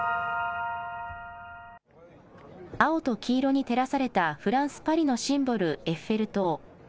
青と黄色に照らされたフランス・パリのシンボル、エッフェル塔。